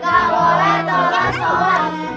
ga boleh telat sholat